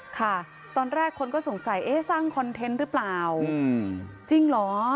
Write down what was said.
ค่ะตอนแรกคนก็สงสัยเอ๊ะสร้างคอนเทนต์หรือเปล่าจริงเหรอ